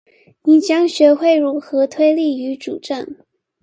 你將學會如何推理與舉證